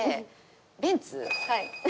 はい。